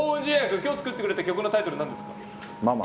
今日作ってくれた曲のタイトルなんですか？